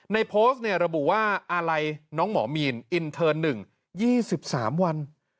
ในโพสต์ระบุว่าอาลัยน้องหมอมีนอินเทิร์น๑๒๓วัน